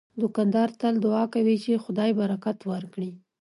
دوکاندار تل دعا کوي چې خدای برکت ورکړي.